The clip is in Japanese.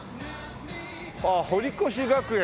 あっ「堀越学園」。